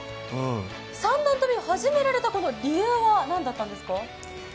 三段跳びを始められた理由は何だったんですか？